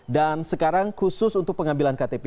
dan sekarang khusus untuk pengambilan ktp